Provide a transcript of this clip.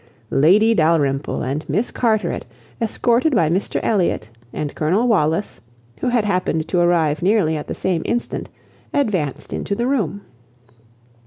Lady Dalrymple and Miss Carteret, escorted by Mr Elliot and Colonel Wallis, who had happened to arrive nearly at the same instant, advanced into the room.